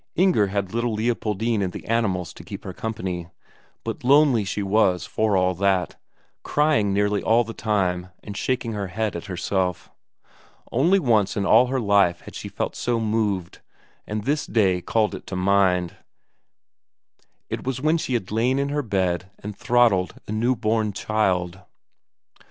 Inger had little Leopoldine and the animals to keep her company; but lonely she was for all that, crying nearly all the time and shaking her head at herself. Only once in all her life before had she felt so moved, and this day called it to mind; it was when she had lain in her bed and throttled a newborn child.